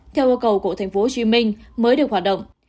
theo yêu cầu của tp hcm mới được hoạt động